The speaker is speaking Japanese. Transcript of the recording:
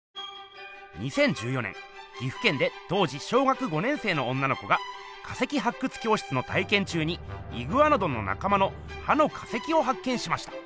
２０１４年岐阜県で当時小学５年生の女の子が化石発掘教室の体験中にイグアノドンのなか間の歯の化石を発見しました。